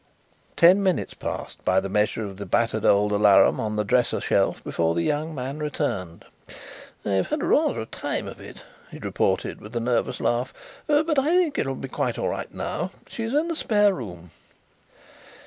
Ten minutes passed by the measure of the battered old alarum on the dresser shelf before the young man returned. "I've had rather a time of it," he reported, with a nervous laugh, "but I think it will be all right now. She is in the spare room."